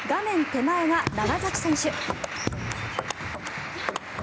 手前が長崎選手。